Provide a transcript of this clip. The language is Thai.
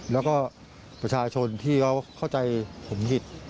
แล้วก็ประชาชนที่เขาเข้าใจผมผิด